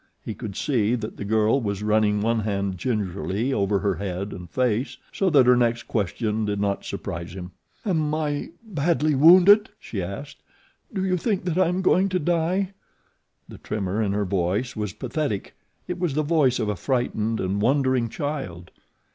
He could see that the girl was running one hand gingerly over her head and face, so that her next question did not surprise him. "Am I badly wounded?" she asked. "Do you think that I am going to die?" The tremor in her voice was pathetic it was the voice of a frightened and wondering child.